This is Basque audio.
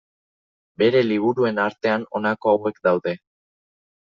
Bere liburuen artean honako hauek daude.